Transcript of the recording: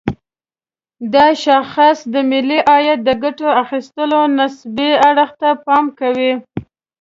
دا شاخص د ملي عاید د ګټه اخيستلو نسبي اړخ ته پام کوي.